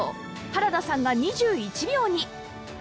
原田さんが２１秒に！